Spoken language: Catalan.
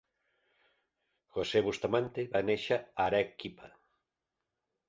José Bustamante va néixer a Arequipa.